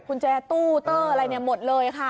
คุณแจตู้เตอร์อะไรหมดเลยค่ะ